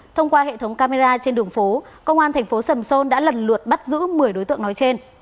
thông qua hệ thống camera trên đường phố công an thành phố sầm sơn đã lần lượt bắt giữ một mươi đối tượng nói trên